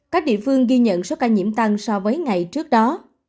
các địa phương ghi nhận số ca nhiễm tăng so với ngày trước đó